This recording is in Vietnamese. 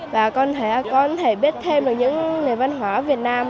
và con thể biết thêm được những nền văn hóa việt nam